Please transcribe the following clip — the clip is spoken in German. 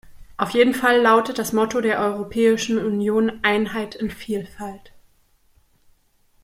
Auf jeden Fall lautet das Motto der Europäischen Union "Einheit in Vielfalt".